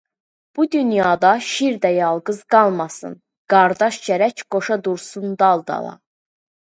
Bu dünyada şir də yalqız qalmasın, Qardaş gərək qoşa dursun dal-dala.